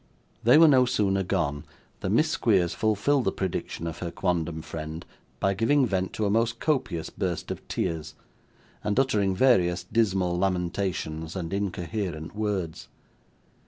They were no sooner gone, than Miss Squeers fulfilled the prediction of her quondam friend by giving vent to a most copious burst of tears, and uttering various dismal lamentations and incoherent words.